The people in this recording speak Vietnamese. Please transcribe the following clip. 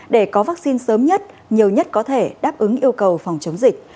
để có vaccine sớm nhất nhiều nhất có thể đáp ứng yêu cầu phòng chống dịch